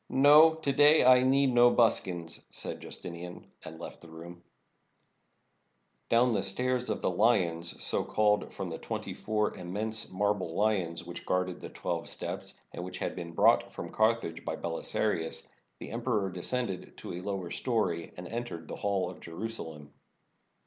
"No; to day I need no buskins," said Justinian, and left the room. 549 ROME Down the Stairs of the Lions, so called from the twenty four immense marble lions which guarded the twelve steps, and which had been brought from Car thage by Belisarius, the emperor descended to a lower story, and entered the Hall of Jerusalem.